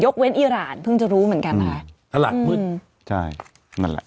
ยกเว้นอิราณเพิ่งจะรู้เหมือนกันนะอืมถลัดอืมใช่นั่นแหละ